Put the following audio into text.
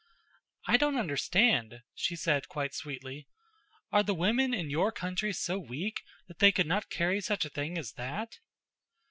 "I don't understand," she said quite sweetly. "Are the women in your country so weak that they could not carry such a thing as that?"